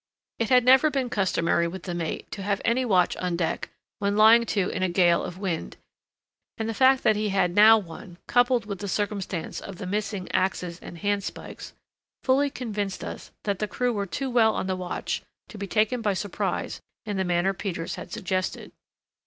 It had never been customary with the mate to have any watch on deck when lying to in a gale of wind, and the fact that he had now one, coupled with the circumstance of the missing axes and handspikes, fully convinced us that the crew were too well on the watch to be taken by surprise in the manner Peters had suggested.